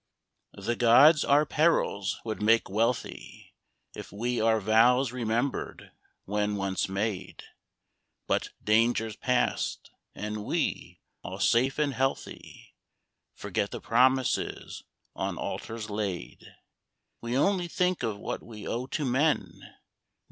The gods our perils would make wealthy, If we our vows remembered, when once made. But, dangers passed, and we, all safe and healthy, Forget the promises on altars laid; We only think of what we owe to men.